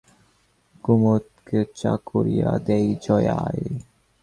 কুমুদকে চা করিয়া দেয় জয়াই।